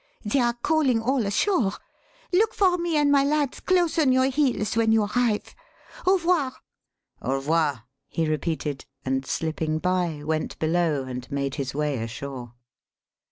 They are calling all ashore. Look for me and my lads close on your heels when you arrive. Au revoir." "Au revoir," he repeated, and slipping by went below and made his way ashore.